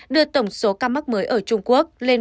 đưa tổng số ca mắc mới ở trung quốc lên một trăm linh